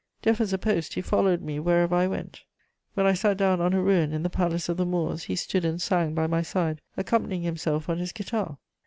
Deaf as a post, he followed me wherever I went: when I sat down on a ruin in the Palace of the Moors, he stood and sang by my side, accompanying himself on his guitar.